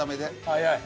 早い。